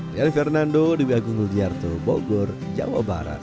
dari fernando di wkg lujarto bogor jawa barat